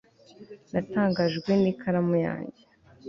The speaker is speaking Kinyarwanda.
natangajwe n'ikaramu yanjye